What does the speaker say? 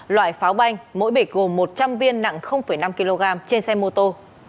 loại pháo banh mỗi bịch gồm một trăm linh viên nặng năm kg trên xe mô tô